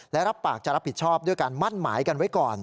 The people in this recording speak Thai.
และรับปากจะรับผิดชอบด้วยการมั่นหมายกันไว้ก่อน